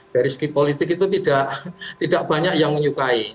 dari segi politik itu tidak banyak yang menyukai